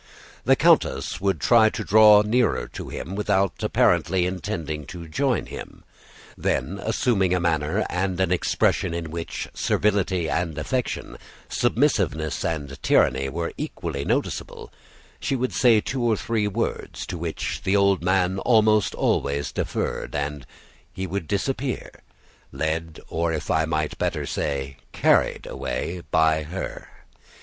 The countess would try to draw nearer to him without apparently intending to join him; then, assuming a manner and an expression in which servility and affection, submissiveness and tyranny, were equally noticeable, she would say two or three words, to which the old man almost always deferred; and he would disappear, led, or I might better say carried away, by her.